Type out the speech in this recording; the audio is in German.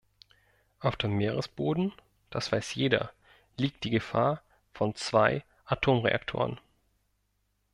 Auf dem Meeresboden das weiß jeder liegt die Gefahr von zwei Atomreaktoren.